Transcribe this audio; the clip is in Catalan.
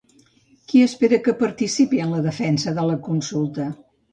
Qui espera que participi en la defensa de la consulta?